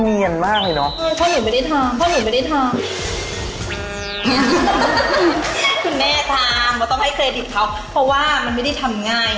คุณแม่ทางต้องให้เครดิตเขาเพราะว่ามันไม่ได้ทำง่ายอะพี่อาทีม